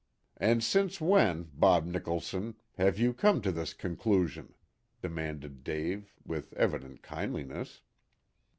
"And since when, Bob Nicholson, have you come to this conclusion?" demanded Dave, with evident kindliness.